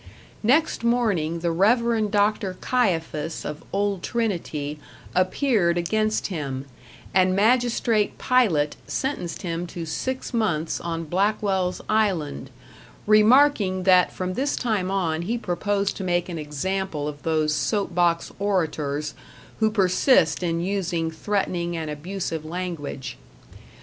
Next morning the Rev. Dr. Caiaphas of Old Trinity appeared against him, and Magistrate Pilate sentenced him to six months on Blackwell's Island, remarking that from this time on he proposed to make an example of those soap box orators who persist in using threatening and abusive language.